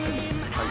はい。